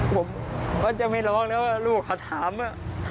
ผมก็จะไม่ร้องแล้วลูกเขาถามอ่ะ